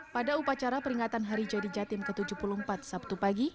pada upacara peringatan hari jadi jatim ke tujuh puluh empat sabtu pagi